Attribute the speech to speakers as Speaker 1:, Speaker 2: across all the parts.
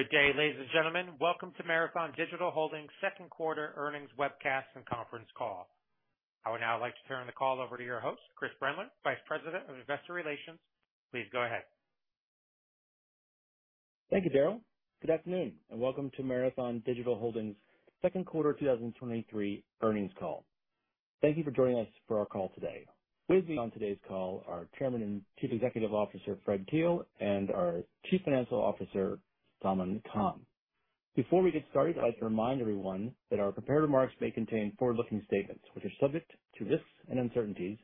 Speaker 1: Good day, ladies and gentlemen. Welcome to Marathon Digital Holdings' second quarter earnings webcast and conference call. I would now like to turn the call over to your host, Chris Brendler, Vice President of Investor Relations. Please go ahead.
Speaker 2: Thank you, Darryl. Good afternoon, and welcome to Marathon Digital Holdings' second quarter 2023 earnings call. Thank you for joining us for our call today. With me on today's call are Chairman and Chief Executive Officer, Fred Thiel, and our Chief Financial Officer, Salman Khan. Before we get started, I'd like to remind everyone that our prepared remarks may contain forward-looking statements, which are subject to risks and uncertainties,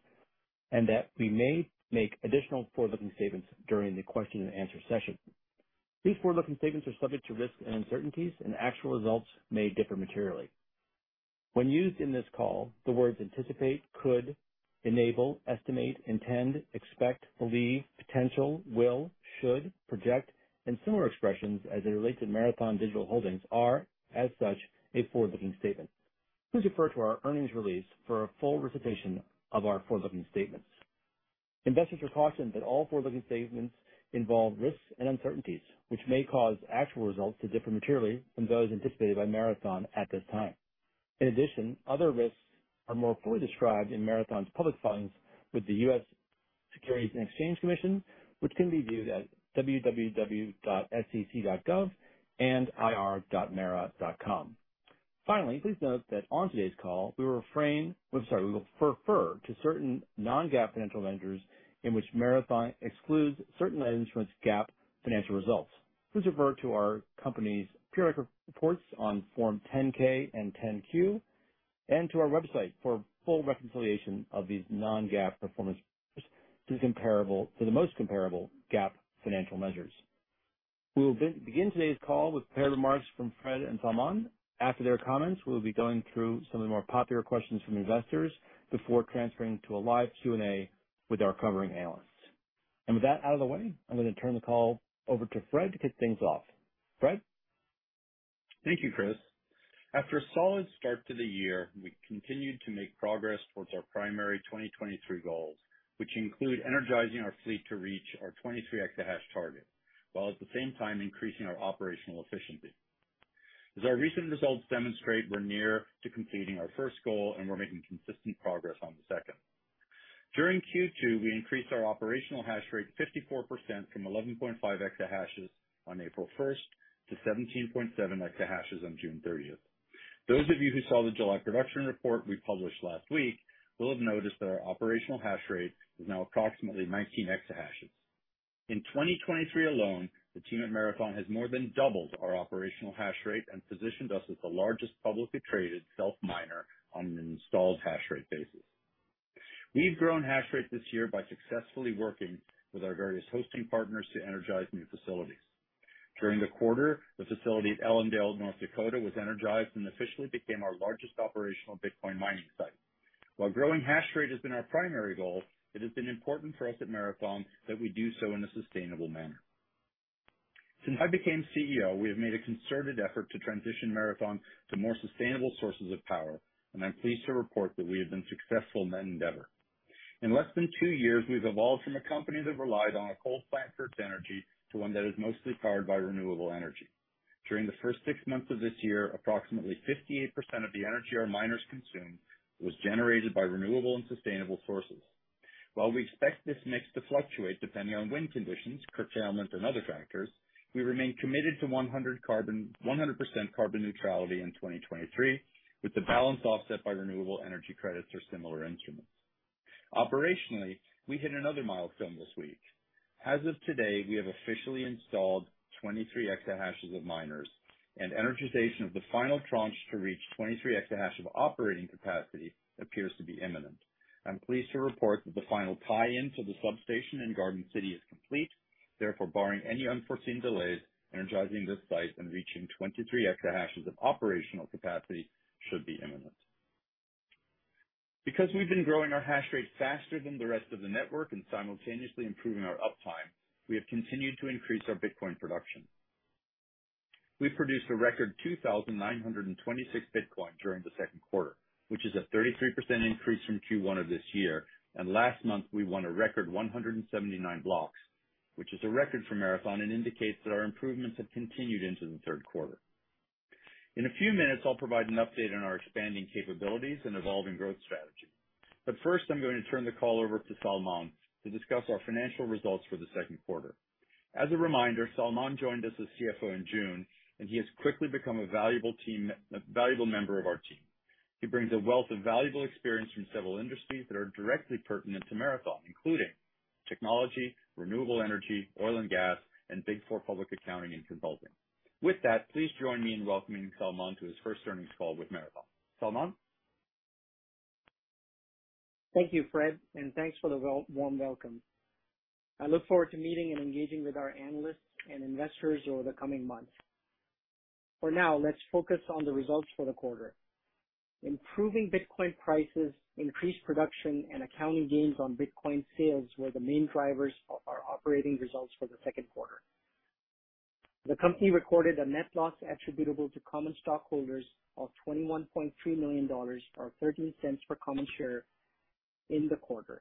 Speaker 2: and that we may make additional forward-looking statements during the question and answer session. These forward-looking statements are subject to risks and uncertainties, and actual results may differ materially. When used in this call, the words anticipate, could, enable, estimate, intend, expect, believe, potential, will, should, project, and similar expressions as they relate to Marathon Digital Holdings are, as such, a forward-looking statement. Please refer to our earnings release for a full recitation of our forward-looking statements. Investors are cautioned that all forward-looking statements involve risks and uncertainties, which may cause actual results to differ materially from those anticipated by Marathon at this time. In addition, other risks are more fully described in Marathon's public filings with the U.S. Securities and Exchange Commission, which can be viewed at www.sec.gov and ir.mara.com. Finally, please note that on today's call, we will refer to certain non-GAAP financial measures in which Marathon excludes certain items from its GAAP financial results. Please refer to our company's periodic reports on Form 10-K and 10-Q, and to our website for a full reconciliation of these non-GAAP performance measures to the most comparable GAAP financial measures. We will begin today's call with prepared remarks from Fred and Salman. After their comments, we'll be going through some of the more popular questions from investors before transferring to a live Q&A with our covering analysts. With that out of the way, I'm going to turn the call over to Fred to kick things off. Fred?
Speaker 3: Thank you, Chris. After a solid start to the year, we continued to make progress towards our primary 2023 goals, which include energizing our fleet to reach our 23 exahash target, while at the same time increasing our operational efficiency. As our recent results demonstrate, we're near to completing our first goal, and we're making consistent progress on the second. During Q2, we increased our operational hash rate 54% from 11.5 exahashes on April 1st to 17.7 exahashes on June 30th. Those of you who saw the July production report we published last week will have noticed that our operational hash rate is now approximately 19 exahashes. In 2023 alone, the team at Marathon has more than doubled our operational hash rate and positioned us as the largest publicly traded self-miner on an installed hash rate basis. We've grown hash rate this year by successfully working with our various hosting partners to energize new facilities. During the quarter, the facility at Ellendale, North Dakota, was energized and officially became our largest operational Bitcoin mining site. While growing hash rate has been our primary goal, it has been important for us at Marathon that we do so in a sustainable manner. Since I became CEO, we have made a concerted effort to transition Marathon to more sustainable sources of power, and I'm pleased to report that we have been successful in that endeavor. In less than two years, we've evolved from a company that relied on a coal plant for its energy to one that is mostly powered by renewable energy. During the first six months of this year, approximately 58% of the energy our miners consumed was generated by renewable and sustainable sources. While we expect this mix to fluctuate depending on wind conditions, curtailment, and other factors, we remain committed to 100% carbon neutrality in 2023, with the balance offset by renewable energy credits or similar instruments. Operationally, we hit another milestone this week. As of today, we have officially installed 23 exahashes of miners, and energization of the final tranche to reach 23 exahash of operating capacity appears to be imminent. I'm pleased to report that the final tie-in to the substation in Garden City is complete. Barring any unforeseen delays, energizing this site and reaching 23 exahashes of operational capacity should be imminent. Because we've been growing our hash rate faster than the rest of the network and simultaneously improving our uptime, we have continued to increase our Bitcoin production. We produced a record 2,926 Bitcoin during the second quarter, which is a 33% increase from Q1 of this year. Last month, we won a record 179 blocks, which is a record for Marathon and indicates that our improvements have continued into the third quarter. In a few minutes, I'll provide an update on our expanding capabilities and evolving growth strategy. First, I'm going to turn the call over to Salman to discuss our financial results for the second quarter. As a reminder, Salman joined us as CFO in June, and he has quickly become a valuable member of our team. He brings a wealth of valuable experience from several industries that are directly pertinent to Marathon, including technology, renewable energy, oil and gas, and Big Four public accounting and consulting. With that, please join me in welcoming Salman to his first earnings call with Marathon. Salman?
Speaker 4: Thank you, Fred, and thanks for the warm welcome. I look forward to meeting and engaging with our analysts and investors over the coming months. For now, let's focus on the results for the quarter. Improving Bitcoin prices, increased production, and accounting gains on Bitcoin sales were the main drivers of our operating results for the second quarter. The company recorded a net loss attributable to common stockholders of $21.3 million, or $0.13 per common share in the quarter,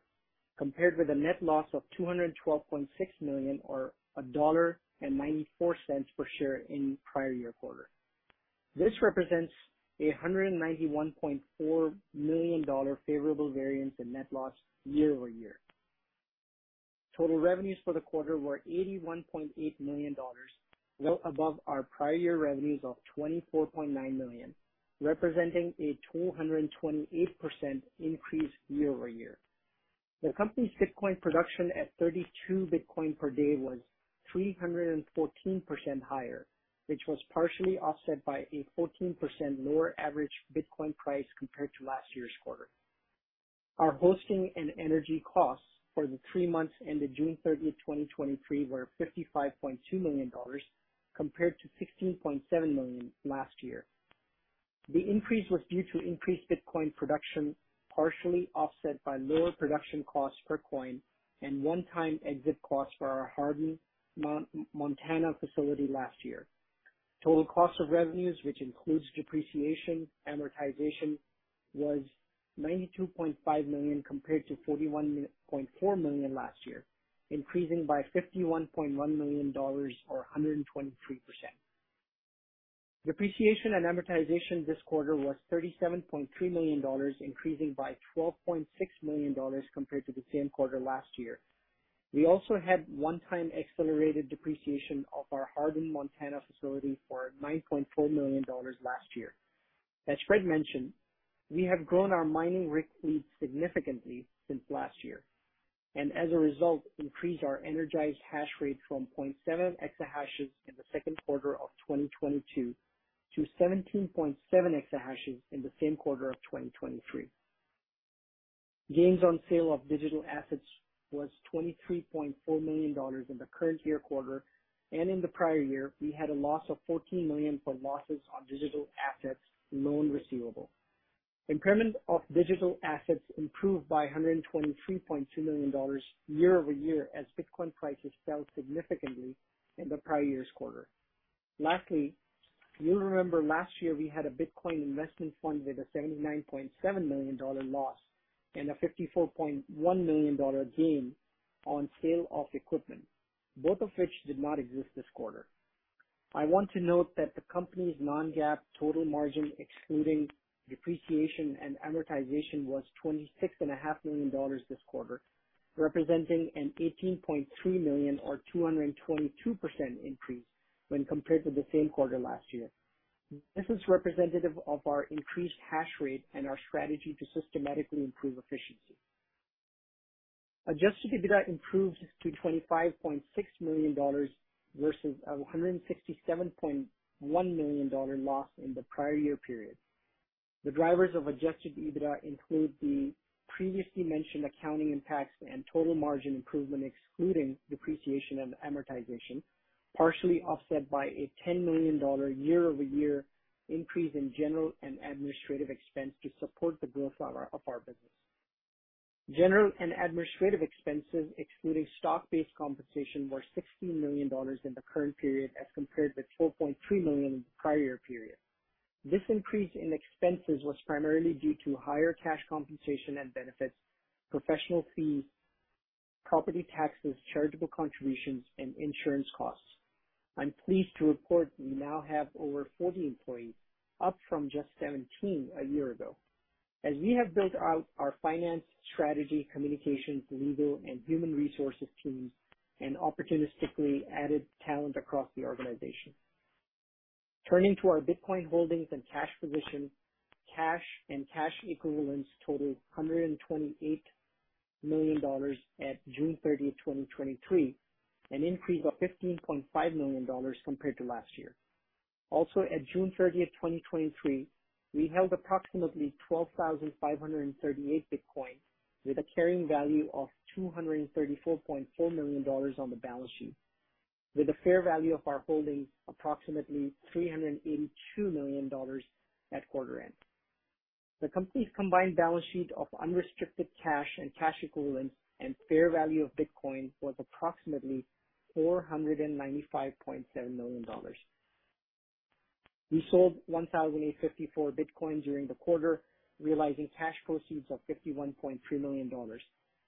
Speaker 4: compared with a net loss of $212.6 million, or $1.94 per share in prior-year quarter. This represents a $191.4 million favorable variance in net loss year-over-year. Total revenues for the quarter were $81.8 million, well above our prior year revenues of $24.9 million, representing a 228% increase year-over-year. The company's Bitcoin production at 32 Bitcoin per day was 314% higher, which was partially offset by a 14% lower average Bitcoin price compared to last year's quarter. Our hosting and energy costs for the three months ended June 30, 2023, were $55.2 million, compared to $16.7 million last year. The increase was due to increased Bitcoin production, partially offset by lower production costs per coin and one-time exit costs for our Hardin, Montana facility last year. Total cost of revenues, which includes depreciation, amortization, was $92.5 million, compared to $41.4 million last year, increasing by $51.1 million or 123%. Depreciation and amortization this quarter was $37.3 million, increasing by $12.6 million compared to the same quarter last year. We also had one-time accelerated depreciation of our Hardin, Montana facility for $9.4 million last year. As Fred mentioned, we have grown our mining rig fleet significantly since last year and as a result, increased our energized hash rate from 0.7 exahashes in the second quarter of 2022 to 17.7 exahashes in the same quarter of 2023. Gains on sale of digital assets was $23.4nm million in the current year quarter. In the prior year, we had a loss of $14 million from losses on digital assets loan receivable. Impairment of digital assets improved by $123.2 million year-over-year, as Bitcoin prices fell significantly in the prior year's quarter. Lastly, you'll remember last year we had a Bitcoin investment fund with a $79.7 million loss and a $54.1 million gain on sale of equipment, both of which did not exist this quarter. I want to note that the company's non-GAAP total margin, excluding depreciation and amortization, was $26.5 million this quarter, representing an $18.3 million or 222% increase when compared to the same quarter last year. This is representative of our increased hash rate and our strategy to systematically improve efficiency. Adjusted EBITDA improved to $25.6 million versus a $167.1 million loss in the prior-year period. The drivers of Adjusted EBITDA include the previously mentioned accounting impacts and total margin improvement, excluding depreciation and amortization, partially offset by a $10 million year-over-year increase in general and administrative expense to support the growth of our business. General and administrative expenses, excluding stock-based compensation, were $16 million in the current period as compared with $4.3 million in the prior-period. This increase in expenses was primarily due to higher cash compensation and benefits, professional fees, property taxes, charitable contributions and insurance costs. I'm pleased to report we now have over 40 employees, up from just 17 a year ago, as we have built out our finance, strategy, communications, legal, and human resources teams, and opportunistically added talent across the organization. Turning to our Bitcoin holdings and cash position. Cash and cash equivalents totaled $128 million at June 30th, 2023, an increase of $15.5 million compared to last year. At June thirtieth, 2023, we held approximately 12,538 Bitcoin, with a carrying value of $234.4 million on the balance sheet, with a fair value of our holdings approximately $382 million at quarter end. The company's combined balance sheet of unrestricted cash and cash equivalents and fair value of Bitcoin was approximately $495.7 million. We sold 1,854 Bitcoin during the quarter, realizing cash proceeds of $51.3 million.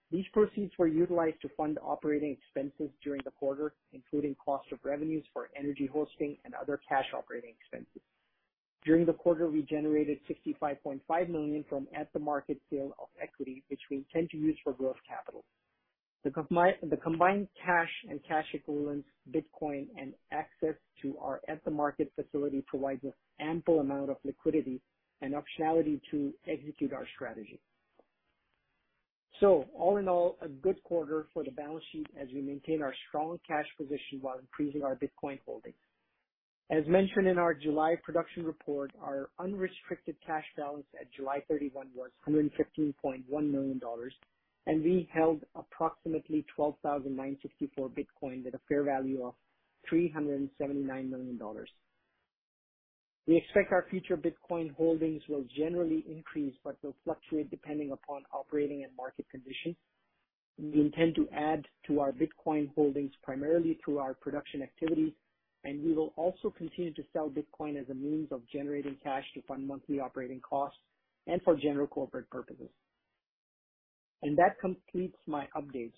Speaker 4: These proceeds were utilized to fund operating expenses during the quarter, including cost of revenues for energy hosting and other cash operating expenses. During the quarter, we generated $65.5 million from at-the-market sale of equity, which we intend to use for growth capital. The combined cash and cash equivalents, Bitcoin and access to our at-the-market facility provides us ample amount of liquidity and optionality to execute our strategy. All in all, a good quarter for the balance sheet as we maintain our strong cash position while increasing our Bitcoin holdings. As mentioned in our July production report, our unrestricted cash balance at July 31 was $115.1 million, we held approximately 12,954 Bitcoin at a fair value of $379 million. We expect our future Bitcoin holdings will generally increase, will fluctuate depending upon operating and market conditions. We intend to add to our Bitcoin holdings primarily through our production activity, we will also continue to sell Bitcoin as a means of generating cash to fund monthly operating costs and for general corporate purposes. That completes my update,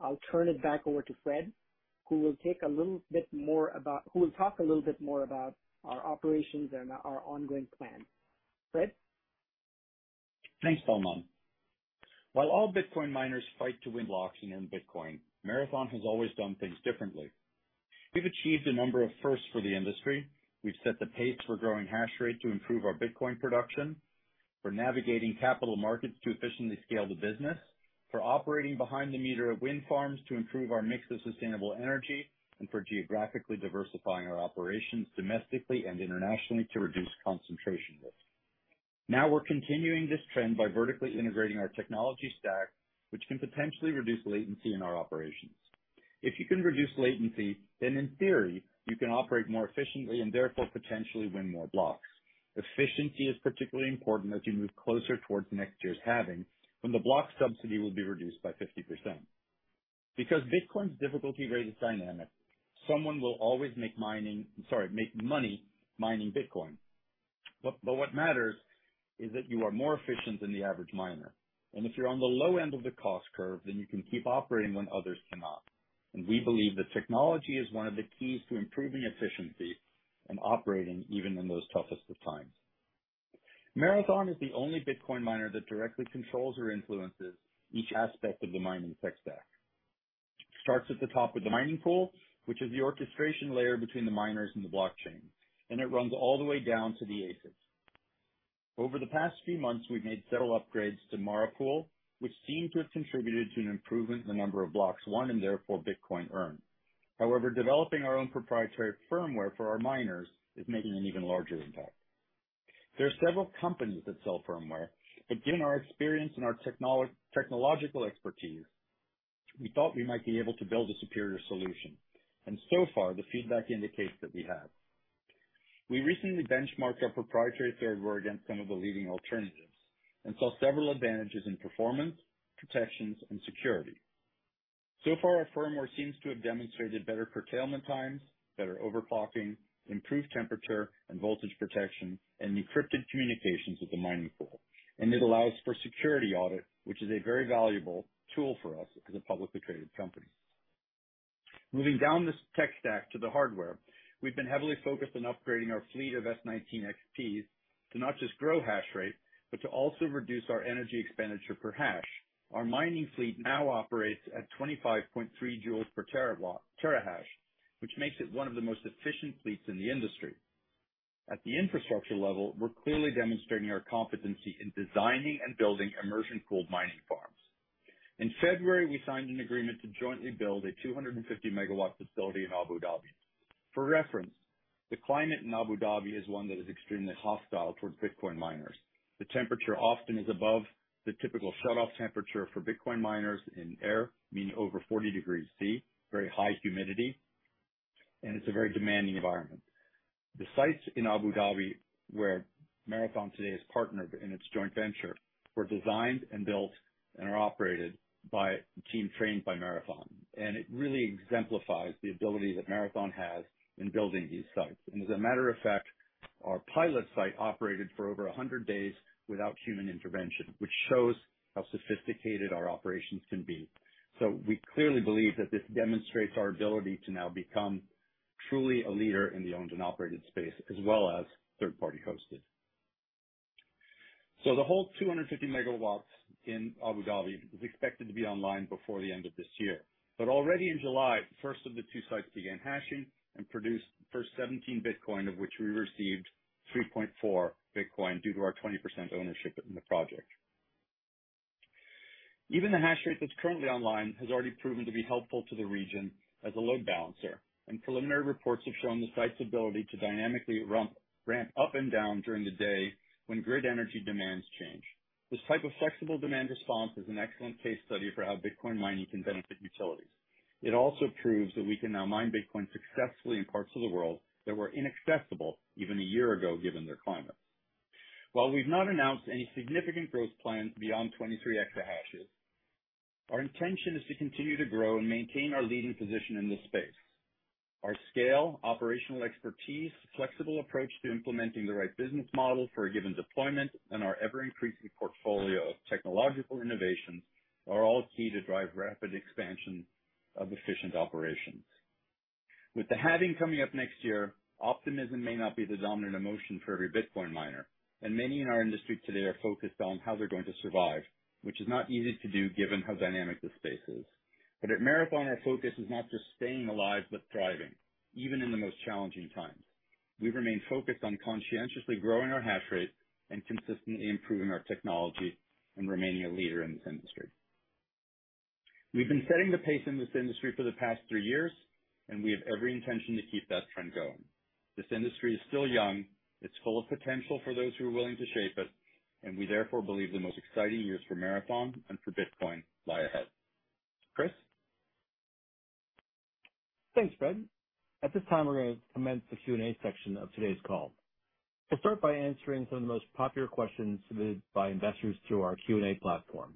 Speaker 4: I'll turn it back over to Fred, who will talk a little bit more about our operations and our ongoing plan. Fred?
Speaker 3: Thanks, Salman. While all Bitcoin miners fight to win blocks in Bitcoin, Marathon has always done things differently. We've achieved a number of firsts for the industry. We've set the pace for growing hash rate to improve our Bitcoin production, for navigating capital markets to efficiently scale the business, for operating behind the meter of wind farms to improve our mix of sustainable energy, and for geographically diversifying our operations domestically and internationally to reduce concentration risk. We're continuing this trend by vertically integrating our technology stack, which can potentially reduce latency in our operations. If you can reduce latency, then in theory, you can operate more efficiently and therefore potentially win more blocks. Efficiency is particularly important as you move closer towards next year's halving, when the block subsidy will be reduced by 50%. Because Bitcoin's difficulty rate is dynamic, someone will always make mining... Sorry, make money mining Bitcoin. But what matters is that you are more efficient than the average miner, and if you're on the low end of the cost curve, then you can keep operating when others cannot. We believe that technology is one of the keys to improving efficiency and operating even in the most toughest of times. Marathon is the only Bitcoin miner that directly controls or influences each aspect of the mining tech stack. Starts at the top with the mining pool, which is the orchestration layer between the miners and the blockchain, and it runs all the way down to the ASICs. Over the past few months, we've made several upgrades to MARA Pool, which seem to have contributed to an improvement in the number of blocks won, and therefore, Bitcoin earned. Developing our own proprietary firmware for our miners is making an even larger impact. There are several companies that sell firmware, but given our experience and our technological expertise, we thought we might be able to build a superior solution, and so far, the feedback indicates that we have. We recently benchmarked our proprietary firmware against some of the leading alternatives and saw several advantages in performance, protections, and security. Our firmware seems to have demonstrated better curtailment times, better overclocking, improved temperature and voltage protection, and encrypted communications with the mining pool. It allows for security audit, which is a very valuable tool for us as a publicly traded company. Moving down this tech stack to the hardware, we've been heavily focused on upgrading our fleet of S19 XPs to not just grow hash rate, but to also reduce our energy expenditure per hash. Our mining fleet now operates at 25.3 joules per terahash, which makes it one of the most efficient fleets in the industry. At the infrastructure level, we're clearly demonstrating our competency in designing and building immersion-cooled mining farms. In February, we signed an agreement to jointly build a 250 MW facility in Abu Dhabi. For reference, the climate in Abu Dhabi is one that is extremely hostile towards Bitcoin miners. The temperature often is above the typical shutoff temperature for Bitcoin miners in air, meaning over 40 degrees deep, very high humidity, and it's a very demanding environment. The sites in Abu Dhabi, where Marathon today is partnered in its joint venture, were designed and built and are operated by a team trained by Marathon, and it really exemplifies the ability that Marathon has in building these sites. As a matter of fact, our pilot site operated for over 100 days without human intervention, which shows how sophisticated our operations can be. We clearly believe that this demonstrates our ability to now become truly a leader in the owned and operated space, as well as third-party hosted. The whole 250 megawatts in Abu Dhabi is expected to be online before the end of this year. Already in July, the first of the two sites began hashing and produced the first 17 Bitcoin, of which we received 3.4 Bitcoin, due to our 20% ownership in the project. Even the hash rate that's currently online has already proven to be helpful to the region as a load balancer. Preliminary reports have shown the site's ability to dynamically ramp up and down during the day when grid energy demands change. This type of flexible demand response is an excellent case study for how Bitcoin mining can benefit utilities. It also proves that we can now mine Bitcoin successfully in parts of the world that were inaccessible even a year ago, given their climate. While we've not announced any significant growth plans beyond 23 exahashes, our intention is to continue to grow and maintain our leading position in this space. Our scale, operational expertise, flexible approach to implementing the right business model for a given deployment, and our ever-increasing portfolio of technological innovations are all key to drive rapid expansion of efficient operations. With the halving coming up next year, optimism may not be the dominant emotion for every Bitcoin miner, and many in our industry today are focused on how they're going to survive, which is not easy to do given how dynamic this space is. At Marathon, our focus is not just staying alive, but thriving, even in the most challenging times. We've remained focused on conscientiously growing our hash rate and consistently improving our technology and remaining a leader in this industry. We've been setting the pace in this industry for the past three years, and we have every intention to keep that trend going. This industry is still young, it's full of potential for those who are willing to shape it, and we therefore believe the most exciting years for Marathon and for Bitcoin lie ahead. Chris?
Speaker 2: Thanks, Fred. At this time, we're going to commence the Q&A section of today's call. We'll start by answering some of the most popular questions submitted by investors through our Q&A platform.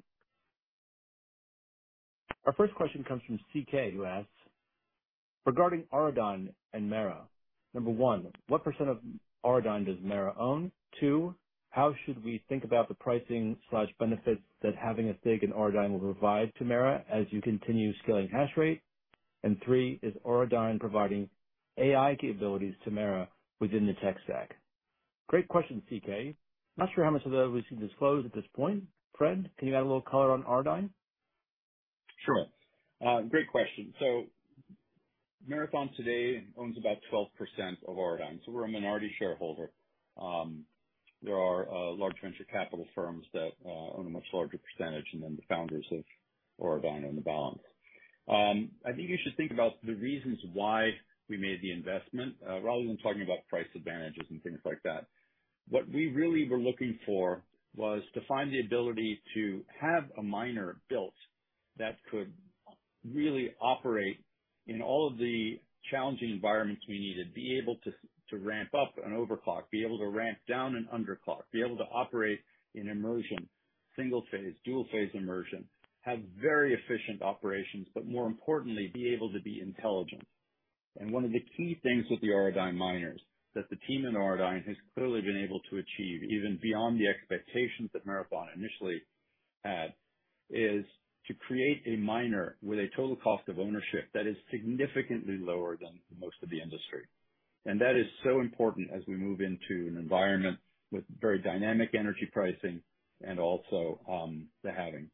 Speaker 2: Our first question comes from C.K., who asks, "Regarding Auradine and Mara, number one, what percent of Auradine does MARA own? Two, how should we think about the pricing slash benefits that having a stake in Auradine will provide to MARA as you continue scaling hash rate? And three, is Auradine providing AI capabilities to MARA within the tech stack?" Great question, C.K. Not sure how much of that we can disclose at this point. Fred, can you add a little color on Auradine?
Speaker 3: Sure. Great question. Marathon today owns about 12% of Auradine, so we're a minority shareholder. There are a large venture capital firms that own a much larger percentage, and then the founders of Auradine own the balance. I think you should think about the reasons why we made the investment, rather than talking about price advantages and things like that. What we really were looking for was to find the ability to have a miner built that could really operate in all of the challenging environments we needed. Be able to ramp up an overclock, be able to ramp down an underclock, be able to operate in immersion, single-phase, dual-phase immersion, have very efficient operations, but more importantly, be able to be intelligent. One of the key things with the Auradine miners, that the team in Auradine has clearly been able to achieve, even beyond the expectations that Marathon initially had, is to create a miner with a total cost of ownership that is significantly lower than most of the industry. That is so important as we move into an environment with very dynamic energy pricing and also the halving.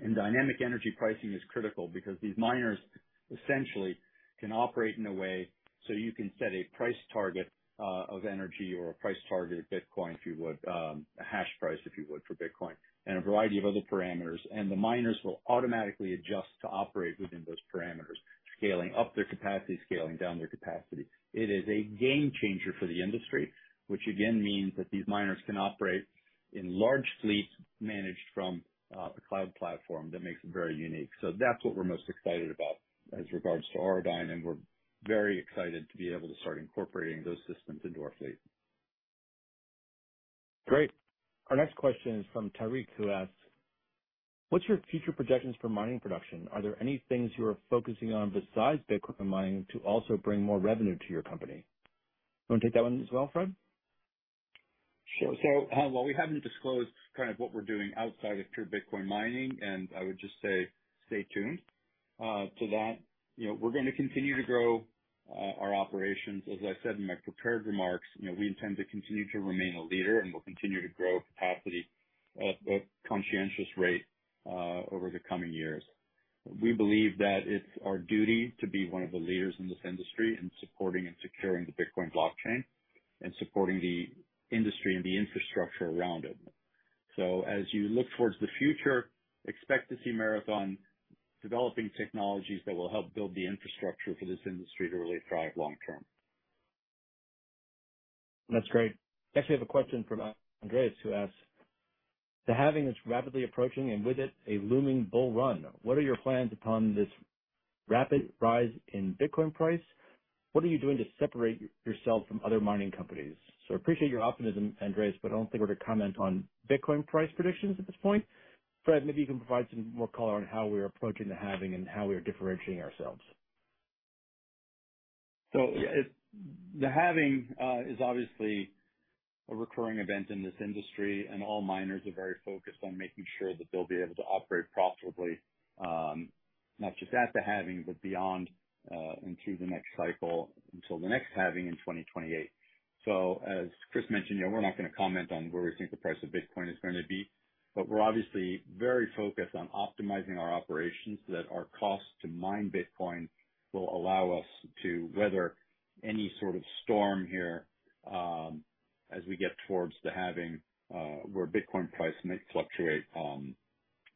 Speaker 3: Dynamic energy pricing is critical because these miners essentially can operate in a way so you can set a price target of energy or a price target of Bitcoin, if you would, a hash price, if you would, for Bitcoin, and a variety of other parameters, and the miners will automatically adjust to operate within those parameters, scaling up their capacity, scaling down their capacity. It is a game changer for the industry, which again means that these miners can operate in large fleets managed from, a cloud platform that makes it very unique. That's what we're most excited about as regards to Auradine, and we're very excited to be able to start incorporating those systems into our fleet.
Speaker 2: Great. Our next question is from Tariq, who asks, "What's your future projections for mining production? Are there any things you are focusing on besides Bitcoin mining to also bring more revenue to your company?" You want to take that one as well, Fred?
Speaker 3: Sure. While we haven't disclosed kind of what we're doing outside of pure Bitcoin mining, and I would just say, stay tuned to that. You know, we're going to continue to grow our operations. As I said in my prepared remarks, you know, we intend to continue to remain a leader and we'll continue to grow capacity at a conscientious rate over the coming years. We believe that it's our duty to be one of the leaders in this industry in supporting and securing the Bitcoin blockchain and supporting the industry and the infrastructure around it. As you look towards the future, expect to see Marathon developing technologies that will help build the infrastructure for this industry to really thrive long term.
Speaker 2: That's great. Next, we have a question from Andreas, who asks, "The halving is rapidly approaching, and with it, a looming bull run. What are your plans upon this rapid rise in Bitcoin price? What are you doing to separate yourself from other mining companies?" I appreciate your optimism, Andreas, but I don't think we're going to comment on Bitcoin price predictions at this point. Fred, maybe you can provide some more color on how we're approaching the halving and how we are differentiating ourselves.
Speaker 3: The halving is obviously a recurring event in this industry, and all miners are very focused on making sure that they'll be able to operate profitably, not just at the halving, but beyond, into the next cycle, until the next halving in 2028. As Chris mentioned, you know, we're not going to comment on where we think the price of Bitcoin is going to be, but we're obviously very focused on optimizing our operations so that our cost to mine Bitcoin will allow us to weather any sort of storm here, as we get towards the halving, where Bitcoin price may fluctuate,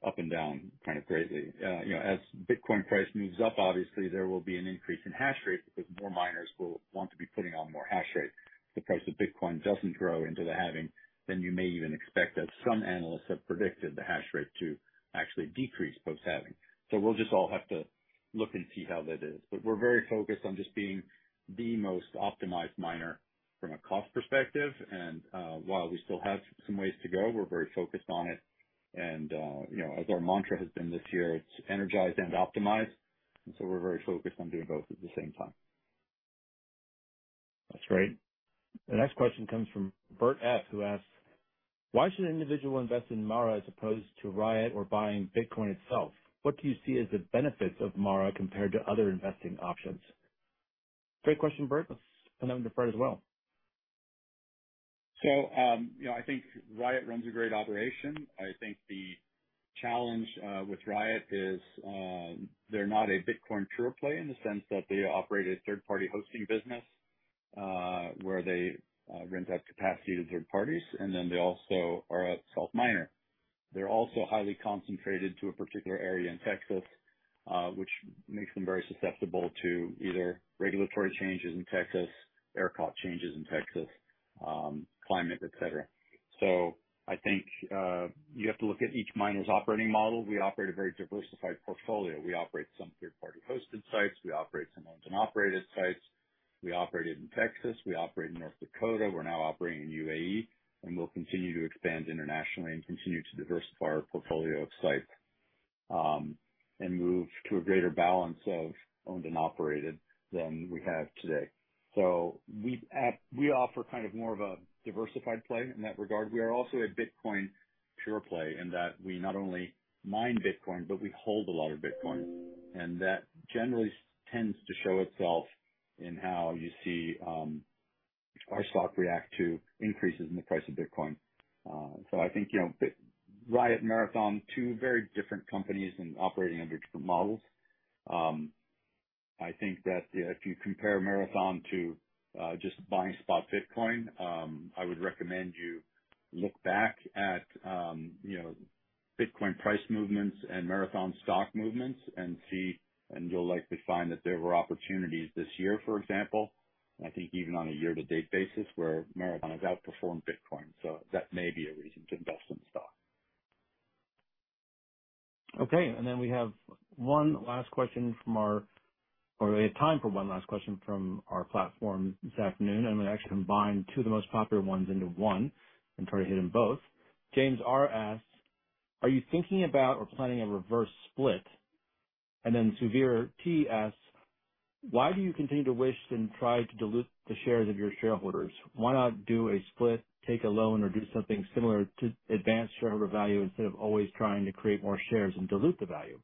Speaker 3: up and down kind of greatly. You know, as Bitcoin price moves up, obviously there will be an increase in hash rate, because more miners will want to be putting out more hash rate. If the price of Bitcoin doesn't grow into the halving, then you may even expect, as some analysts have predicted, the hash rate to actually decrease post-halving. We'll just all have to look and see how that is. We're very focused on just being the most optimized miner from a cost perspective. While we still have some ways to go, we're very focused on it. You know, as our mantra has been this year, it's energize and optimize, and so we're very focused on doing both at the same time.
Speaker 2: That's great. The next question comes from Bert F, who asks, "Why should an individual invest in MARA as opposed to Riot or buying Bitcoin itself? What do you see as the benefits of MARA compared to other investing options?" Great question, Bert. Let's hand over to Fred as well.
Speaker 3: You know, I think Riot runs a great operation. I think the challenge with Riot is they're not a Bitcoin pure play in the sense that they operate a third-party hosting business, where they rent out capacity to third parties, and then they also are a self-miner. They're also highly concentrated to a particular area in Texas, which makes them very susceptible to either regulatory changes in Texas, ERCOT changes in Texas, climate, et cetera. I think you have to look at each miner's operating model. We operate a very diversified portfolio. We operate some third-party hosted sites. We operate some owned and operated sites. We operate in Texas, we operate in North Dakota. We're now operating in UAE, and we'll continue to expand internationally and continue to diversify our portfolio of sites, and move to a greater balance of owned and operated than we have today. We offer kind of more of a diversified play in that regard. We are also a Bitcoin pure play in that we not only mine Bitcoin, but we hold a lot of Bitcoin, and that generally tends to show itself in how you see, our stock react to increases in the price of Bitcoin. I think, you know, Riot and Marathon, two very different companies and operating under different models. I think that, if you compare Marathon to, just buying spot Bitcoin, I would recommend you look back at, you know, Bitcoin price movements and Marathon stock movements and see, and you'll likely find that there were opportunities this year, for example, I think even on a year-to-date basis, where Marathon has outperformed Bitcoin, so that may be a reason to invest in the stock.
Speaker 2: Okay, then we have time for one last question from our platform this afternoon, I'm going to actually combine two of the most popular ones into one and try to hit them both. James R. asks, "Are you thinking about or planning a reverse split?" Then Suvir T. asks, "Why do you continue to wish and try to dilute the shares of your shareholders? Why not do a split, take a loan, or do something similar to advance shareholder value, instead of always trying to create more shares and dilute the value?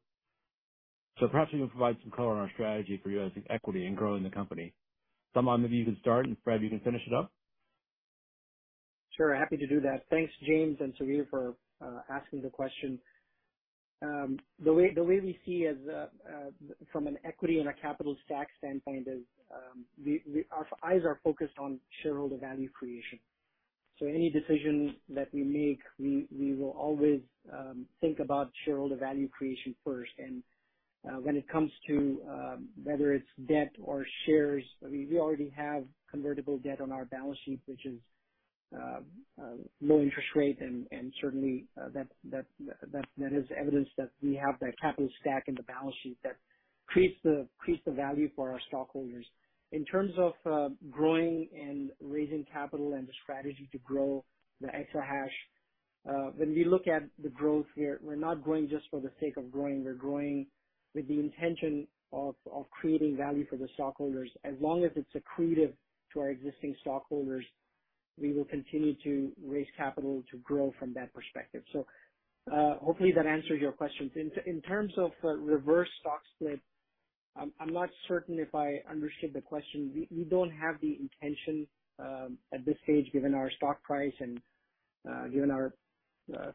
Speaker 2: Perhaps you can provide some color on our strategy for you as an equity in growing the company." Salman, maybe you can start, and, Fred, you can finish it up.
Speaker 4: Sure, happy to do that. Thanks, James and Suvir, for asking the question. The way, the way we see as from an equity and a capital stack standpoint is, we, we, our eyes are focused on shareholder value creation. Any decision that we make, we, we will always think about shareholder value creation first. When it comes to whether it's debt or shares, I mean, we already have convertible debt on our balance sheet, which is low interest rate and certainly that, that, that, that is evidence that we have that capital stack in the balance sheet that creates creates the value for our stockholders. In terms of growing and raising capital and the strategy to grow the exahash, when we look at the growth here, we're not growing just for the sake of growing. We're growing with the intention of, of creating value for the stockholders. As long as it's accretive to our existing stockholders, we will continue to raise capital to grow from that perspective. Hopefully, that answers your questions. In, in terms of a reverse stock split, I'm, I'm not certain if I understood the question. We, we don't have the intention at this stage, given our stock price and given our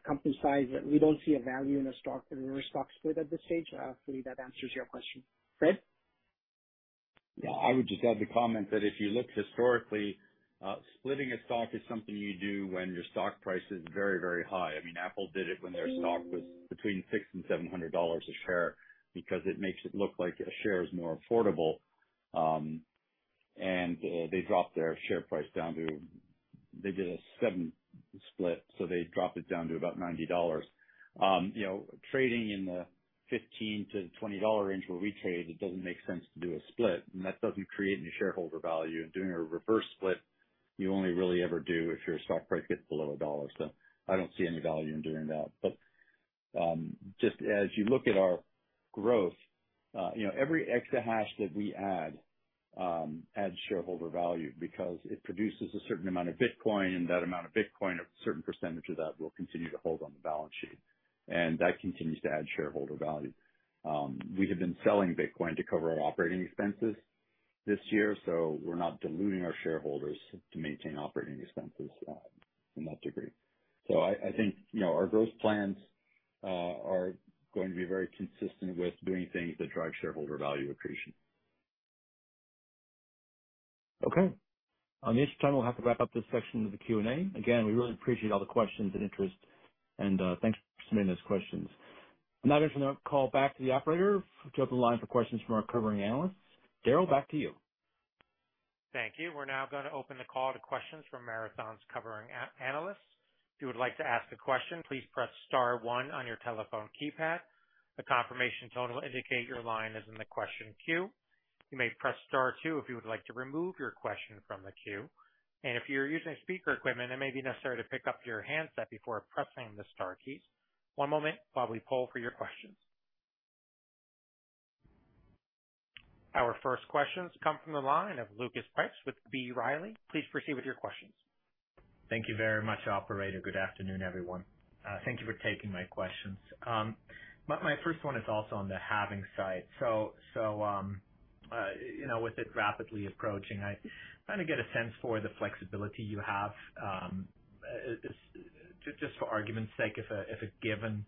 Speaker 4: company size, we don't see a value in a stock, in a reverse stock split at this stage. Hopefully that answers your question. Fred?
Speaker 3: Yeah, I would just add the comment that if you look historically, splitting a stock is something you do when your stock price is very, very high. I mean, Apple did it when their stock was between $600-$700 a share because it makes it look like a share is more affordable. They dropped their share price down to... They did a seven split, so they dropped it down to about $90. You know, trading in the $15-$20 range where we trade, it doesn't make sense to do a split, and that doesn't create any shareholder value, and doing a reverse stock split, you only really ever do if your stock price gets below $1. I don't see any value in doing that. Just as you look at our growth, you know, every extra hash that we add, adds shareholder value because it produces a certain amount of Bitcoin, and that amount of Bitcoin, a certain percentage of that will continue to hold on the balance sheet. That continues to add shareholder value. We have been selling Bitcoin to cover our operating expenses this year, so we're not diluting our shareholders to maintain operating expenses to that degree. I, I think, you know, our growth plans are going to be very consistent with doing things that drive shareholder value accretion.
Speaker 2: Okay. On this time, we'll have to wrap up this section of the Q&A. Again, we really appreciate all the questions and interest and thanks for submitting those questions. Now I'm going to call back to the operator to open the line for questions from our covering analysts. Darryl, back to you.
Speaker 1: Thank you. We're now going to open the call to questions from Marathon's covering analysts. If you would like to ask a question, please press star one on your telephone keypad. A confirmation tone will indicate your line is in the question queue. You may press star two if you would like to remove your question from the queue. If you're using speaker equipment, it may be necessary to pick up your handset before pressing the star keys. One moment while we poll for your questions. Our first questions come from the line of Lucas Pipes with B. Riley. Please proceed with your questions.
Speaker 5: Thank you very much, operator. Good afternoon, everyone. Thank you for taking my questions. My, my first one is also on the halving side. So, so, you know, with it rapidly approaching, I kind of get a sense for the flexibility you have. Just, just for argument's sake, if a, if a given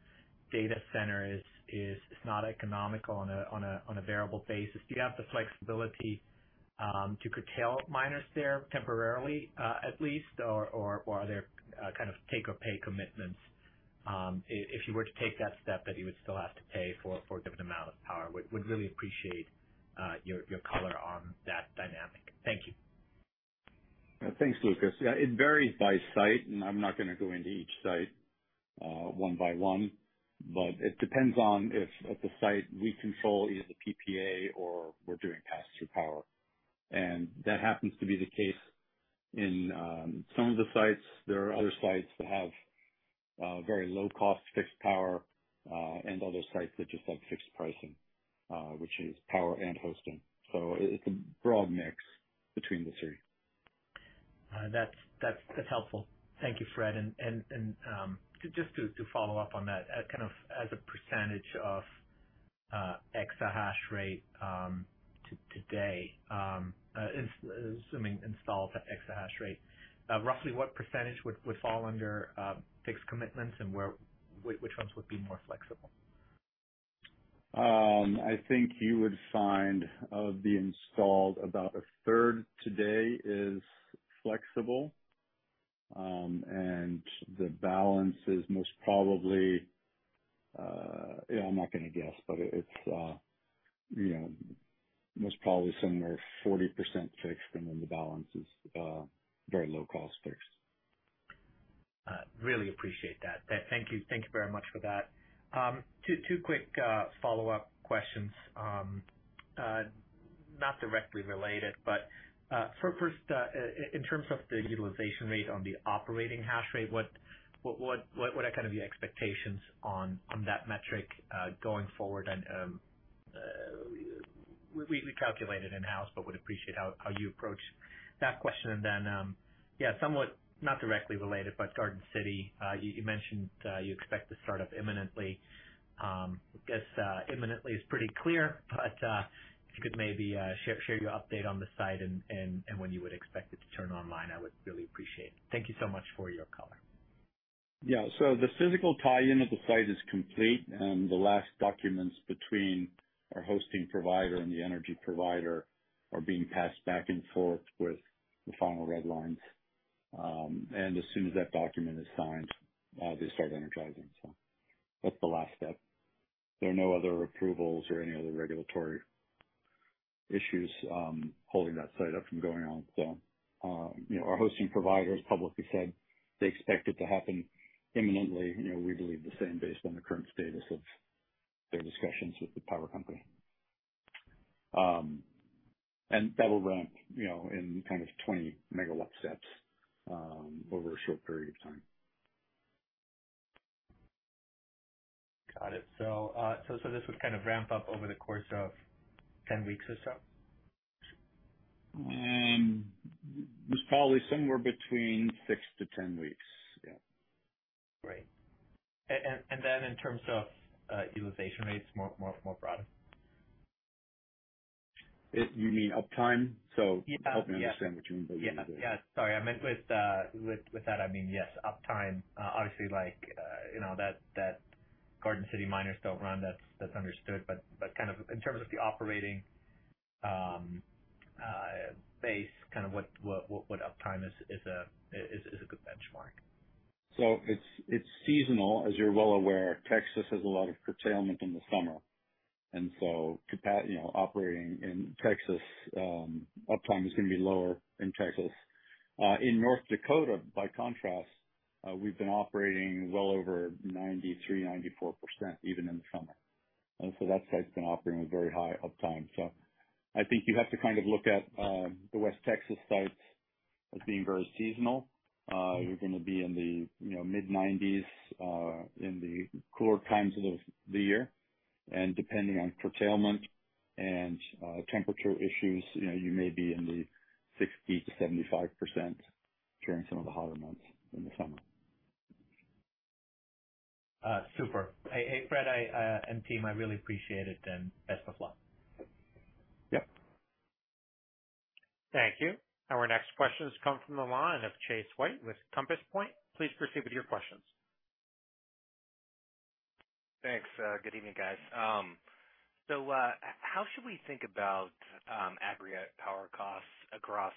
Speaker 5: data center is, is, is not economical on a, on a, on a variable basis, do you have the flexibility to curtail miners there temporarily, at least? Or, or, or are there kind of take or pay commitments? I-if you were to take that step, that you would still have to pay for a given amount of power. Would really appreciate your color on that dynamic. Thank you.
Speaker 3: Thanks, Lucas. Yeah, it varies by site, and I'm not going to go into each site, one by one, but it depends on if at the site we control either the PPA or we're doing pass-through power. That happens to be the case in, some of the sites. There are other sites that have, very low-cost fixed power, and other sites that just have fixed pricing, which is power and hosting. It's a broad mix between the two.
Speaker 5: That's, that's, that's helpful. Thank you, Fred. Just to, to follow up on that, kind of as a percentage of exahash rate, today, assuming installed exahash rate, roughly what percentage would, would fall under fixed commitments and which ones would be more flexible?
Speaker 3: I think you would find of the installed, about a third today is flexible, and the balance is most probably. Yeah, I'm not going to guess, but it's, you know, most probably somewhere 40% fixed, and then the balance is very low cost fixed.
Speaker 5: Really appreciate that. Thank you. Thank you very much for that. Two quick follow-up questions. Not directly related, first, in terms of the utilization rate on the operating hash rate, what, what, what, what are kind of your expectations on that metric going forward? We, we calculated in-house, but would appreciate how, how you approach that question. Somewhat, not directly related, but Garden City, you, you mentioned, you expect to start up imminently. I guess, imminently is pretty clear, if you could maybe, share, share your update on the site and, and, and when you would expect it to turn online, I would really appreciate it. Thank you so much for your color.
Speaker 3: Yeah. The physical tie-in at the site is complete, the last documents between our hosting provider and the energy provider are being passed back and forth with the final red lines. As soon as that document is signed, they start energizing. That's the last step. There are no other approvals or any other regulatory issues, holding that site up from going out. You know, our hosting provider has publicly said they expect it to happen imminently. You know, we believe the same based on the current status of their discussions with the power company. That will ramp, you know, in kind of 20 MW steps, over a short period of time.
Speaker 5: Got it. This would kind of ramp up over the course of 10 weeks or so?
Speaker 3: It's probably somewhere between six to 10 weeks. Yeah.
Speaker 5: Great. And, and then in terms of, utilization rates, more, more, more broadly.
Speaker 3: If you mean uptime?
Speaker 5: Yeah.
Speaker 3: Help me understand what you mean by that?
Speaker 5: Yeah. Sorry. I meant with, with, with that, I mean, yes, uptime, obviously, like, you know, that, that Garden City miners don't run. That's, that's understood. But kind of in terms of the operating, base, kind of, what, what, what uptime is, is a, is, is a good benchmark.
Speaker 3: It's, it's seasonal. As you're well aware, Texas has a lot of curtailment in the summer, you know, operating in Texas, uptime is going to be lower in Texas. In North Dakota, by contrast, we've been operating well over 93%, 94%, even in the summer. That site's been operating with very high uptime. I think you have to kind of look at, the West Texas sites as being very seasonal. You're going to be in the, you know, mid-90s, in the cooler times of the, the year, and depending on curtailment and temperature issues, you know, you may be in the 60%-75% during some of the hotter months in the summer.
Speaker 5: Super. Hey, hey, Fred Thiel, I, and team, I really appreciate it and best of luck.
Speaker 3: Yep.
Speaker 1: Thank you. Our next question comes from the line of Chase White with Compass Point. Please proceed with your questions.
Speaker 6: Thanks. Good evening, guys. How should we think about aggregate power costs across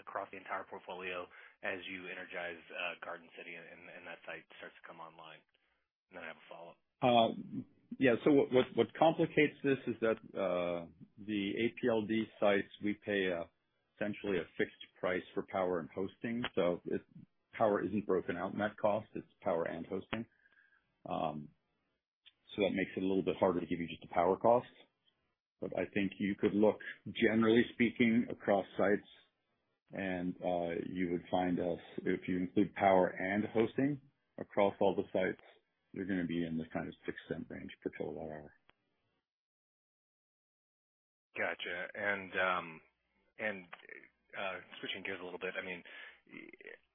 Speaker 6: across the entire portfolio as you energize Garden City and that site starts to come online? Then I have a follow-up.
Speaker 3: Yeah. What, what, what complicates this is that the APLD sites, we pay essentially a fixed price for power and hosting. It's. Power isn't broken out in that cost. It's power and hosting. That makes it a little bit harder to give you just the power costs. I think you could look, generally speaking, across sites and you would find us, if you include power and hosting across all the sites, we're going to be in the kind of $0.06 range per kilowatt-hour.
Speaker 6: Gotcha. Switching gears a little bit, I mean,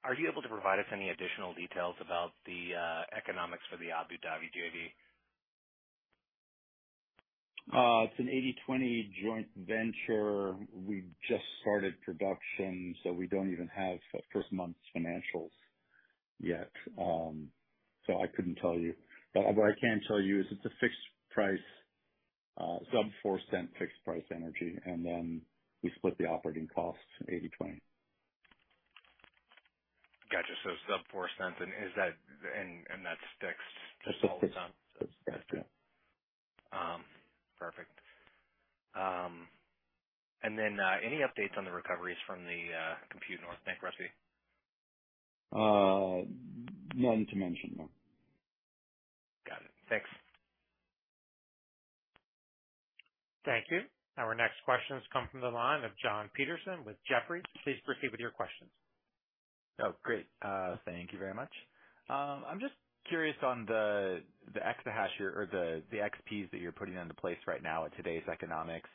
Speaker 6: are you able to provide us any additional details about the economics for the Abu Dhabi JV?
Speaker 3: It's an 80/20 joint venture. We just started production, so we don't even have the 1st month's financials yet. I couldn't tell you, but what I can tell you is it's a fixed price sub $0.04 fixed price energy, and then we split the operating costs 80/20.
Speaker 6: Gotcha. sub $0.04, and is that, and, and that sticks all the time?
Speaker 3: That's, yeah.
Speaker 6: Perfect. Any updates on the recoveries from the Compute North bankruptcy?
Speaker 3: None to mention, no.
Speaker 6: Got it. Thanks.
Speaker 1: Thank you. Our next questions come from the line of Jon Petersen with Jefferies. Please proceed with your questions.
Speaker 7: Oh, great. Thank you very much. I'm just curious on the, the exahash or the, the XPs that you're putting into place right now at today's economics.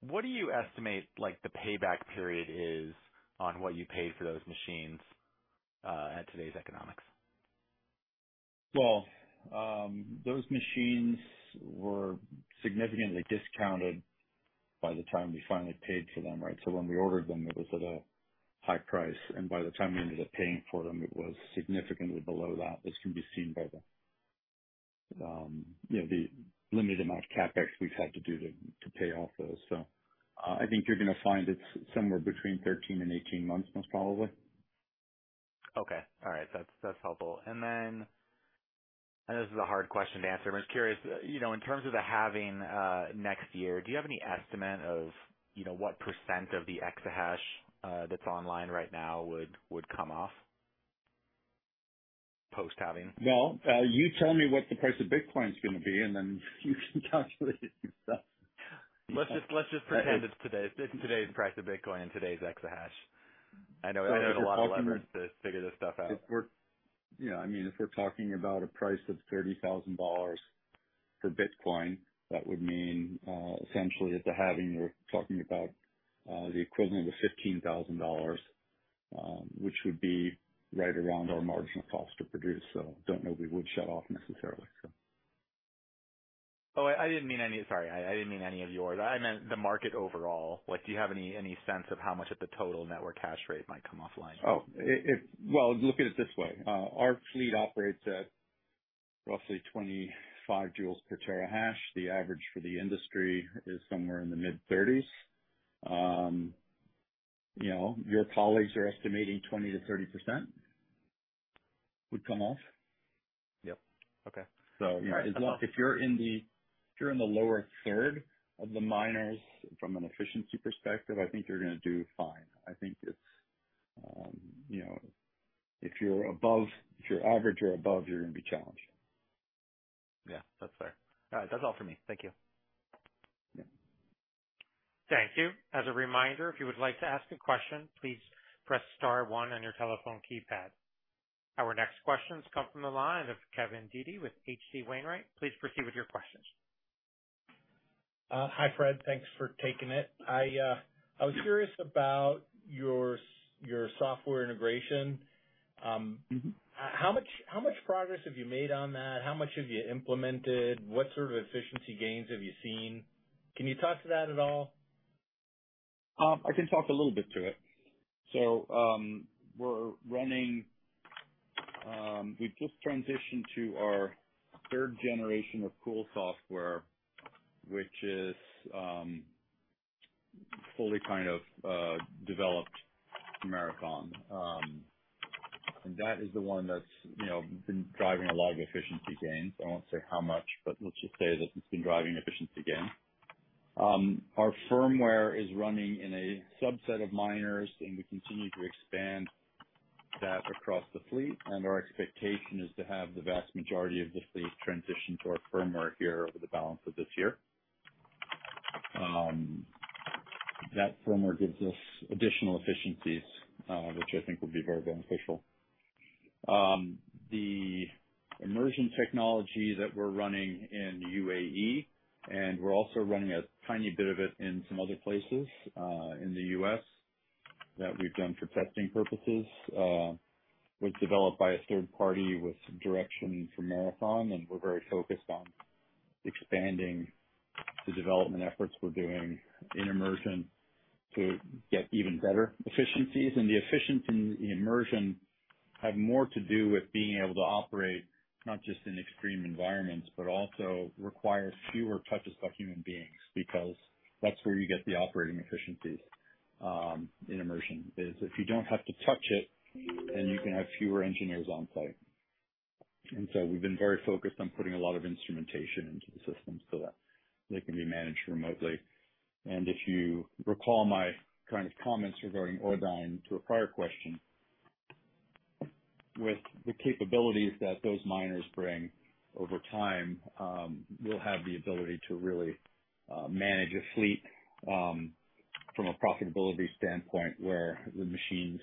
Speaker 7: What do you estimate, like, the payback period is on what you paid for those machines at today's economics?
Speaker 3: Well, those machines were significantly discounted by the time we finally paid for them, right? When we ordered them, it was at a high price, and by the time we ended up paying for them, it was significantly below that. This can be seen by the, you know, the limited amount of CapEx we've had to do to, to pay off those. I think you're gonna find it's somewhere between 13 and 18 months, most probably.
Speaker 7: Okay. All right. That's, that's helpful. And then, and this is a hard question to answer, I'm just curious, you know, in terms of the halving, next year, do you have any estimate of, you know, what percent of the exahash that's online right now would, would come off post-halving?
Speaker 3: Well, you tell me what the price of Bitcoin is gonna be, and then you can calculate it yourself.
Speaker 7: Let's just, let's just pretend it's today's, today's price of Bitcoin and today's exahash. I know there's a lot of leverage to figure this stuff out.
Speaker 3: Yeah, I mean, if we're talking about a price of $30,000 for Bitcoin, that would mean, essentially at the halving, we're talking about the equivalent of $15,000, which would be right around our marginal cost to produce. Don't know if we would shut off necessarily.
Speaker 7: Sorry, I didn't mean any of yours. I meant the market overall. Like, do you have any, any sense of how much of the total network hash rate might come offline?
Speaker 3: Oh, well, look at it this way. Our fleet operates at roughly 25 joules per terahash. The average for the industry is somewhere in the mid thirties. You know, your colleagues are estimating 20%-30% would come off.
Speaker 7: Yep. Okay.
Speaker 3: If you're in the, if you're in the lower third of the miners from an efficiency perspective, I think you're gonna do fine. I think it's, you know, if you're above, if you're average or above, you're gonna be challenged.
Speaker 7: Yeah, that's fair. All right. That's all for me. Thank you.
Speaker 3: Yeah.
Speaker 1: Thank you. As a reminder, if you would like to ask a question, please press star 1 on your telephone keypad. Our next questions come from the line of Kevin Dede with H.C. Wainwright. Please proceed with your questions.
Speaker 8: Hi, Fred. Thanks for taking it. I was curious about your software integration.
Speaker 3: Mm-hmm.
Speaker 8: How much, how much progress have you made on that? How much have you implemented? What sort of efficiency gains have you seen? Can you talk to that at all?
Speaker 3: I can talk a little bit to it. We're running. We've just transitioned to our third generation of pool software, which is fully kind of developed Marathon. That is the one that's, you know, been driving a lot of efficiency gains. I won't say how much, but let's just say that it's been driving efficiency gains. Our firmware is running in a subset of miners, and we continue to expand that across the fleet, and our expectation is to have the vast majority of the fleet transition to our firmware here over the balance of this year. That firmware gives us additional efficiencies, which I think will be very beneficial. The immersion technology that we're running in UAE, and we're also running a tiny bit of it in some other places, in the U.S., that we've done for testing purposes, was developed by a third party with some direction from Marathon, and we're very focused on expanding the development efforts we're doing in immersion to get even better efficiencies. The efficiency in immersion have more to do with being able to operate, not just in extreme environments, but also requires fewer touches by human beings, because that's where you get the operating efficiencies, in immersion. Is if you don't have to touch it, then you can have fewer engineers on site. We've been very focused on putting a lot of instrumentation into the system so that they can be managed remotely. If you recall, my kind of comments regarding Auradine to a prior question, with the capabilities that those miners bring over time, we'll have the ability to really, manage a fleet, from a profitability standpoint, where the machines,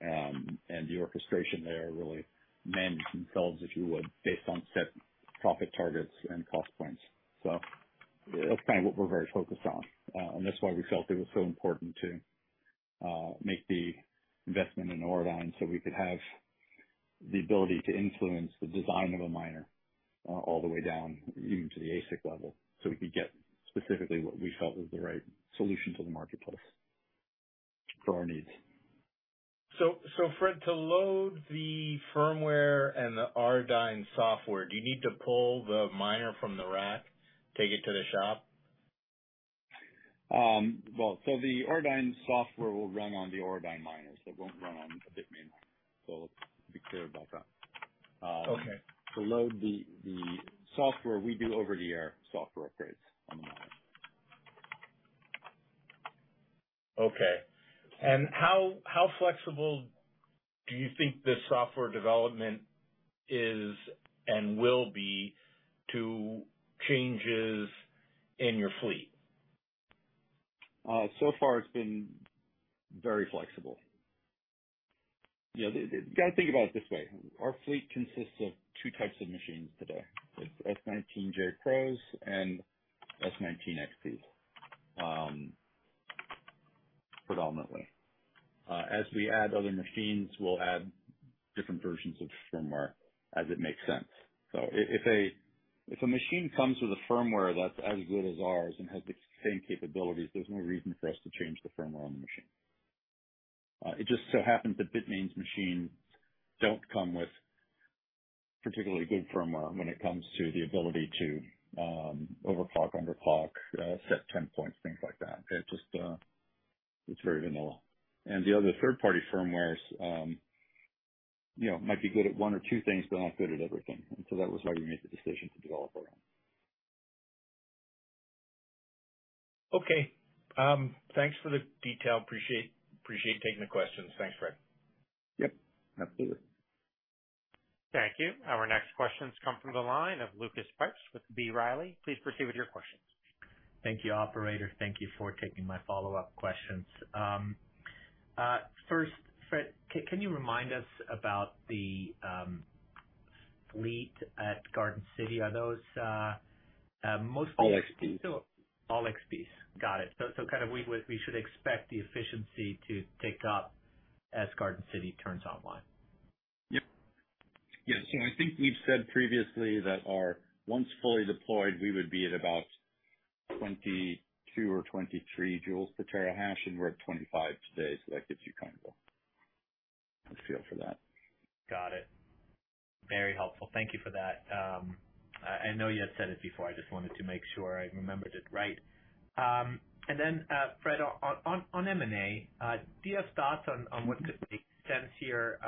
Speaker 3: and the orchestration there really manage themselves, if you would, based on set profit targets and cost points. That's kind of what we're very focused on, and that's why we felt it was so important to make the investment in Auradine, so we could have the ability to influence the design of a miner, all the way down even to the ASIC level, so we could get specifically what we felt was the right solution to the marketplace. Store needs.
Speaker 8: Fred, to load the firmware and the Auradine software, do you need to pull the miner from the rack, take it to the shop?
Speaker 3: Well, the Auradine software will run on the Auradine miners. It won't run on a Bitmain miner. Let's be clear about that.
Speaker 8: Okay.
Speaker 3: To load the, the software, we do over-the-air software upgrades on the miner.
Speaker 8: Okay. How, how flexible do you think this software development is and will be to changes in your fleet?
Speaker 3: So far it's been very flexible. You know, you got to think about it this way. Our fleet consists of two types of machines today, the S19j Pros and S19 XPs, predominantly. As we add other machines, we'll add different versions of firmware as it makes sense. If a, if a machine comes with a firmware that's as good as ours and has the same capabilities, there's no reason for us to change the firmware on the machine. It just so happens that Bitmain's machines don't come with particularly good firmware when it comes to the ability to overclock, underclock, setpoints, things like that. It just, it's very vanilla. The other third-party firmwares, you know, might be good at one or two things, but not good at everything. That was why we made the decision to develop our own.
Speaker 8: Okay. Thanks for the detail. Appreciate, appreciate taking the questions. Thanks, Fred.
Speaker 3: Yep, absolutely.
Speaker 1: Thank you. Our next questions come from the line of Lucas Pipes with B. Riley. Please proceed with your questions.
Speaker 5: Thank you, operator. Thank you for taking my follow-up questions. First, Fred, can you remind us about the fleet at Garden City? Are those mostly-
Speaker 3: All XPs.
Speaker 5: All XPs. Got it. Kind of we, we should expect the efficiency to tick up as Garden City turns online?
Speaker 3: Yep. Yeah, I think we've said previously that our once fully deployed, we would be at about 22 joules or 23 joules per terahash, and we're at 25 joules today. That gives you kind of a feel for that.
Speaker 5: Got it. Very helpful. Thank you for that. I, I know you had said it before. I just wanted to make sure I remembered it right. Then, Fred, on, on, on M&A, do you have thoughts on, on what could make sense here?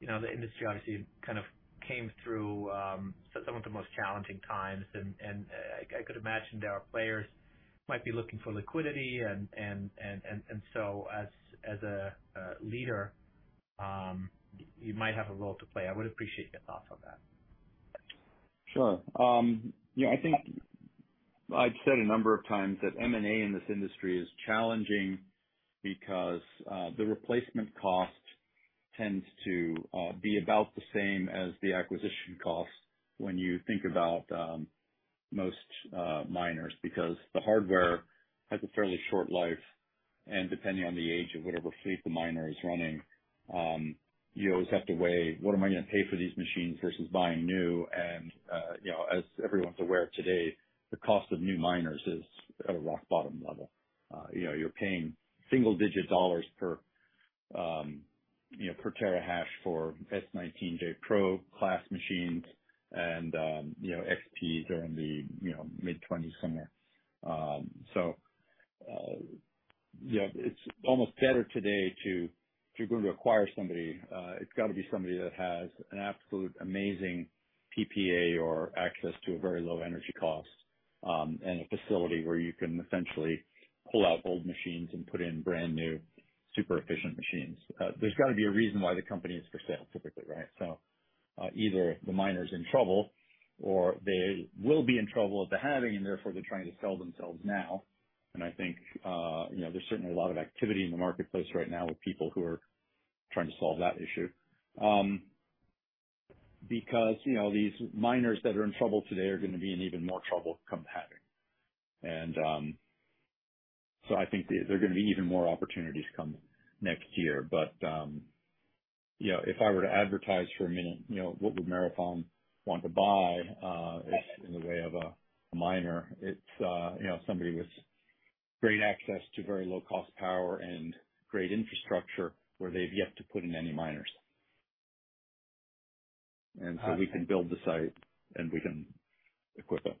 Speaker 5: You know, the industry obviously kind of came through, some of the most challenging times, and, and I, I could imagine there are players who might be looking for liquidity and, and, and, and, and so as, as a, a leader, you might have a role to play. I would appreciate your thoughts on that.
Speaker 3: Sure. Yeah, I think I've said a number of times that M&A in this industry is challenging because the replacement cost tends to be about the same as the acquisition costs when you think about most miners, because the hardware has a fairly short life, and depending on the age of whatever fleet the miner is running, you always have to weigh, "What am I going to pay for these machines versus buying new?" And, you know, as everyone's aware today, the cost of new miners is at a rock bottom level. You know, you're paying single-digit dollars per terahash for S19j Pro class machines and, you know, XP during the, you know, mid-$20s, somewhere. Yeah, it's almost better today to, if you're going to acquire somebody, it's got to be somebody that has an absolute amazing PPA or access to a very low energy cost, and a facility where you can essentially pull out old machines and put in brand-new, super efficient machines. There's got to be a reason why the company is for sale, typically, right? Either the miner's in trouble or they will be in trouble at the halving, and therefore they're trying to sell themselves now. I think, you know, there's certainly a lot of activity in the marketplace right now with people who are trying to solve that issue. Because, you know, these miners that are in trouble today are going to be in even more trouble come halving. I think there are going to be even more opportunities come next year. You know, if I were to advertise for a minute, you know, what would Marathon want to buy in the way of a miner? It's, you know, somebody with great access to very low-cost power and great infrastructure where they've yet to put in any miners. We can build the site, and we can equip them.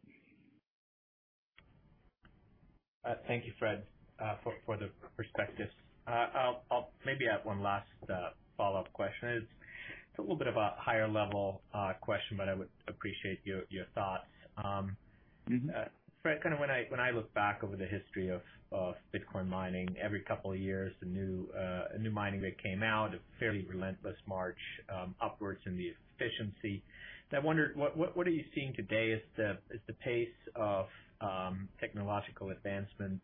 Speaker 5: Thank you, Fred, for, for the perspective. I'll, I'll maybe add one last, follow-up question. It's a little bit of a higher level, question, but I would appreciate your, your thoughts.
Speaker 3: Mm-hmm.
Speaker 5: Fred, kind of when I, when I look back over the history of, of Bitcoin mining, every couple of years, a new mining rig came out, a fairly relentless march upwards in the efficiency. I wondered, what, what, what are you seeing today? Is the, is the pace of technological advancement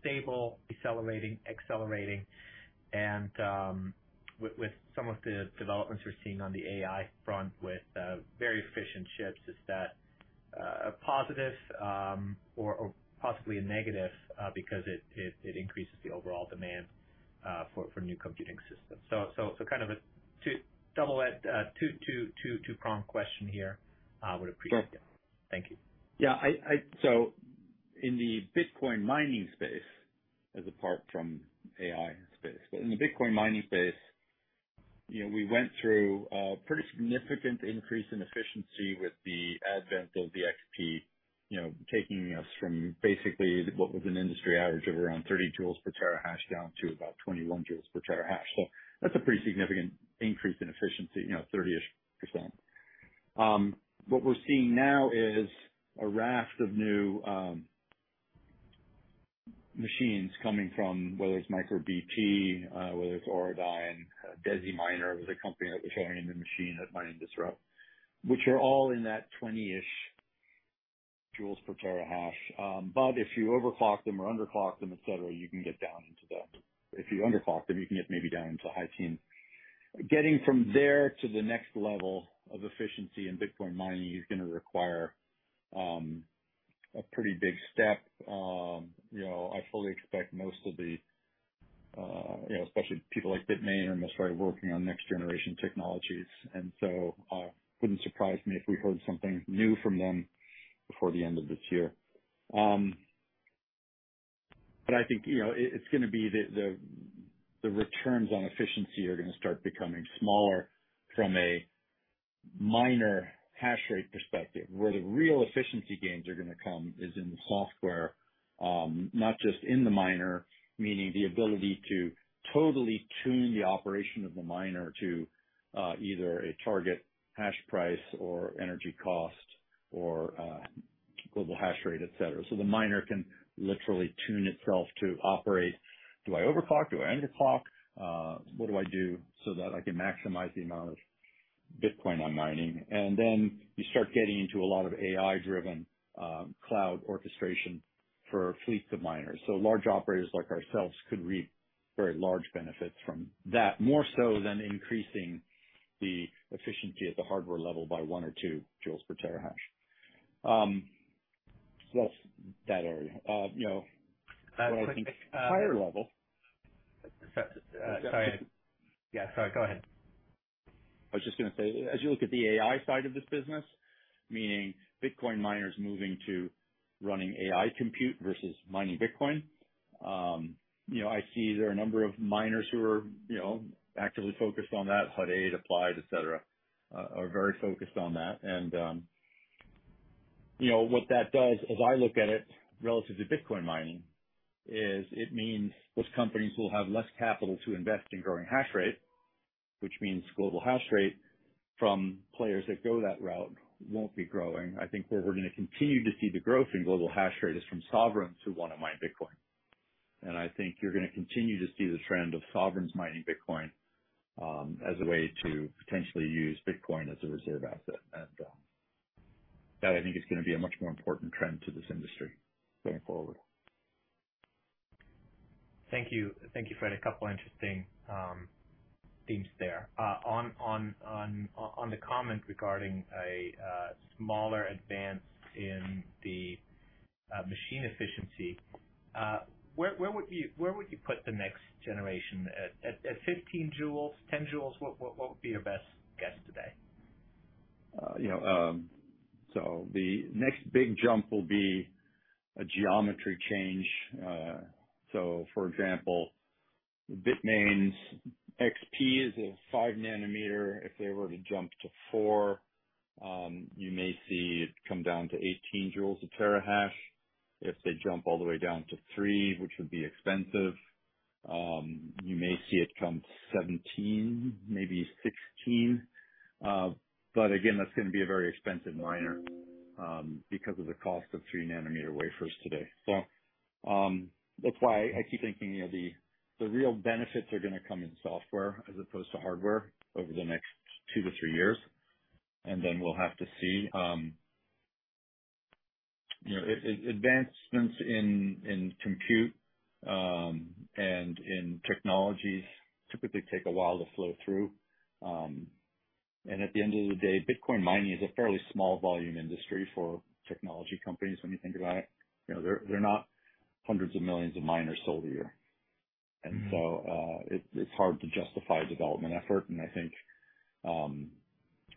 Speaker 5: stable, accelerating, accelerating? With, with some of the developments we're seeing on the AI front with very efficient chips, is that a positive or, or possibly a negative, because it, it, it increases the overall demand for new computing systems? So, so, so kind of a two-prong question here. I would appreciate it. Thank you.
Speaker 3: Yeah, I, I, so in the Bitcoin mining space, as apart from AI space, but in the Bitcoin mining space, you know, we went through a pretty significant increase in efficiency with the advent of the XP, you know, taking us from basically what was an industry average of around 30 joules per terahash down to about 21 joules per terahash. That's a pretty significant increase in efficiency, you know, 30-ish%. What we're seeing now is a raft of new machines coming from whether it's MicroBT, whether it's Auradine, Desi Miner was a company that was showing in the machine at Mining Disrupt, which are all in that 20-ish joules per terahash. If you overclock them or underclock them, et cetera, you can get down into the... If you underclock them, you can get maybe down into the high teen. Getting from there to the next level of efficiency in Bitcoin mining is going to require a pretty big step. You know, I fully expect most of the, you know, especially people like Bitmain are most likely working on next generation technologies, wouldn't surprise me if we heard something new from them before the end of this year. You know, it, it's going to be the, the, the returns on efficiency are going to start becoming smaller from a minor hash rate perspective. Where the real efficiency gains are going to come is in the software, not just in the miner, meaning the ability to totally tune the operation of the miner to either a target hash price or energy cost or global hash rate, et cetera. The miner can literally tune itself to operate. Do I overclock? Do I underclock? What do I do so that I can maximize the amount of Bitcoin I'm mining? Then you start getting into a lot of AI-driven, cloud orchestration for fleets of miners. Large operators like ourselves could reap very large benefits from that, more so than increasing the efficiency at the hardware level by one or two joules per terahash. That's that area. You know, what I think higher level-
Speaker 5: Sorry. Yeah, sorry, go ahead.
Speaker 3: I was just going to say, as you look at the AI side of this business, meaning Bitcoin miners moving to running AI compute versus mining Bitcoin, you know, I see there are a number of miners who are, you know, actively focused on that. Hut 8, Applied, et cetera, are very focused on that. You know, what that does, as I look at it, relative to Bitcoin mining, is it means those companies will have less capital to invest in growing hash rate, which means global hash rate from players that go that route won't be growing. I think where we're going to continue to see the growth in global hash rate is from sovereigns who want to mine Bitcoin. I think you're going to continue to see the trend of sovereigns mining Bitcoin, as a way to potentially use Bitcoin as a reserve asset. That I think is going to be a much more important trend to this industry going forward.
Speaker 5: Thank you. Thank you, Fred. A couple interesting themes there. On the comment regarding a smaller advance in the machine efficiency, where would you, where would you put the next generation? At 15 joules, 10 joules, what would be your best guess today?
Speaker 3: You know, the next big jump will be a geometry change. For example, Bitmain's XP is a 5-nanometer. If they were to jump to 4-nanometer, you may see it come down to 18 joules per terahash. If they jump all the way down to 3-nanometer, which would be expensive, you may see it come 17-nanometer, maybe 16-nanometer. But again, that's going to be a very expensive miner, because of the cost of 3-nanometer wafers today. That's why I keep thinking, you know, the real benefits are going to come in software as opposed to hardware over the next two to three years, and then we'll have to see. You know, advancements in compute and in technologies typically take a while to flow through. At the end of the day, Bitcoin mining is a fairly small volume industry for technology companies when you think about it. You know, they're, they're not hundreds of millions of miners sold a year.
Speaker 5: Mm-hmm.
Speaker 3: It, it's hard to justify a development effort, and I think,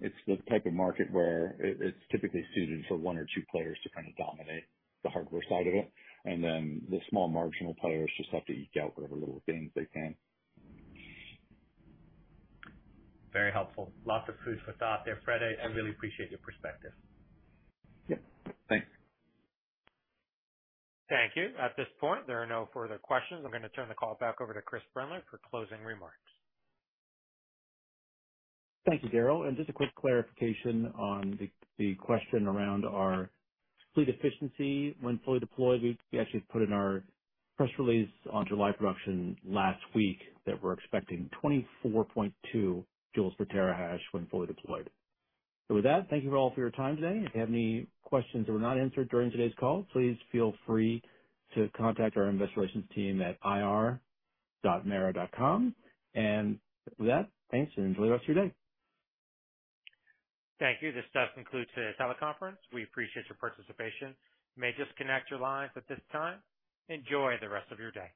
Speaker 3: it's the type of market where it, it's typically suited for one or two players to kind of dominate the hardware side of it, and then the small marginal players just have to eke out whatever little things they can.
Speaker 5: Very helpful. Lots of food for thought there, Fred. I really appreciate your perspective.
Speaker 3: Yep. Thanks.
Speaker 1: Thank you. At this point, there are no further questions. I'm going to turn the call back over to Chris Brendler for closing remarks.
Speaker 2: Thank you, Daryl, and just a quick clarification on the question around our fleet efficiency when fully deployed. We actually put in our press release on July production last week that we're expecting 20.2 joules per terahash when fully deployed. With that, thank you all for your time today. If you have any questions that were not answered during today's call, please feel free to contact our investor relations team at ir.mara.com. With that, thanks, and enjoy the rest of your day.
Speaker 1: Thank you. This does conclude today's teleconference. We appreciate your participation. You may disconnect your lines at this time. Enjoy the rest of your day.